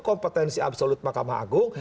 kompetensi absolut mahkamah agung